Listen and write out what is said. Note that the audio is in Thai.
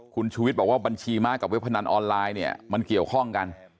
คุณชูวิทย์บอกว่าบัญชีม้ากับเว็บพนันออนไลน์เนี่ยมันเกี่ยวข้องกัน